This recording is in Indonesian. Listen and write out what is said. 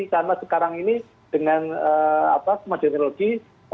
karena sekarang ini dengan kemodenologi